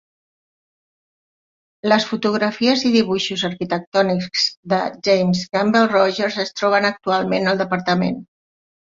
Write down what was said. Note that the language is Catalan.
Les fotografies i dibuixos arquitectònics de James Gamble Rogers es troben actualment al Dep.